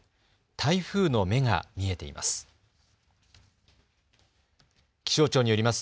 台風の目が見えています。